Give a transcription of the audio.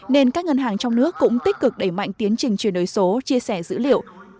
nên các ngân hàng trong nước cũng tích cực đẩy mạnh tiến trình chuyển đổi số chia sẻ dữ liệu